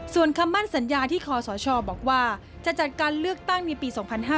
ส่วนคำมั่นสัญญาที่คอสชบอกว่าจะจัดการเลือกตั้งในปี๒๕๕๙